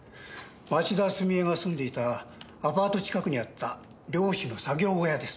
町田純江が住んでいたアパート近くにあった漁師の作業小屋です。